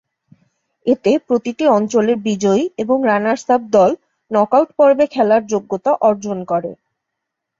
এতে প্রতিটি অঞ্চলের বিজয়ী এবং রানার্স আপ দল নকআউট পর্বে খেলার যোগ্যতা অর্জন করে।